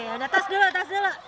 oke udah tas dulu tas dulu